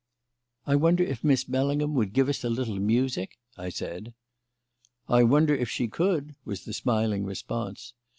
"I wonder if Miss Bellingham would give us a little music?" I said. "I wonder if she could?" was the smiling response.